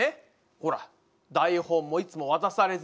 ほら台本もいつも渡されず。